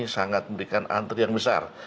sangat memberikan antri yang besar